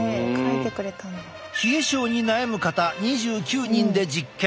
冷え症に悩む方２９人で実験。